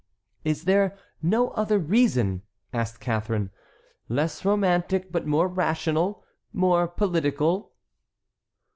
"Is there no other reason?" asked Catharine; "less romantic, but more rational, more political?"